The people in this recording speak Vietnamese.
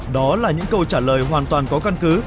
đó là những câu trả lời hoàn toàn có căn cứ